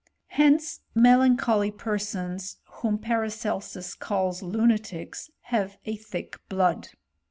Hence melancholy per^ sons, whom Paracelsus calls lunatics, have a thick blood.